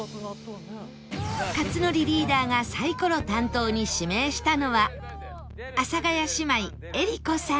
克典リーダーがサイコロ担当に指名したのは阿佐ヶ谷姉妹江里子さん